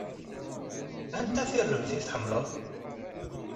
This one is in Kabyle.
Anita tiremt i tḥemmleḍ?